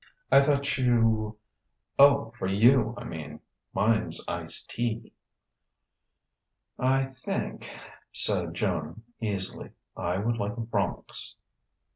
"I thought you " "Oh, for you, I mean. Mine's ice' tea." "I think," said Joan easily, "I would like a Bronx."